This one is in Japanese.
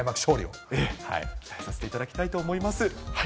期待させていただきたいと思います。